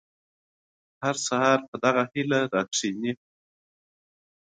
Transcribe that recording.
هر يو ګهيځ په دغه هيله پاڅي